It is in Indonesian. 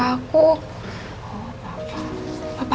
papa aku kok terlalu banyak